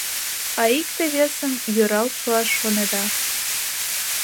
А икте-весым йӧрал шуаш шонеда...